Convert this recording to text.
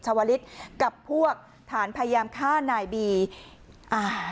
ชาวลิศกับพวกฐานพยายามฆ่านายบีอ่า